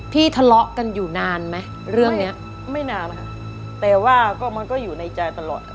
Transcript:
ทะเลาะกันอยู่นานไหมเรื่องเนี้ยไม่นานแล้วค่ะแต่ว่าก็มันก็อยู่ในใจตลอดค่ะ